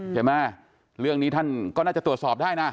เรื่องนี้ท่านก็น่าจะตรวจสอบได้นะ